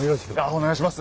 お願いします。